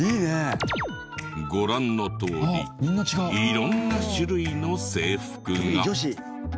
ご覧のとおり色んな種類の制服が。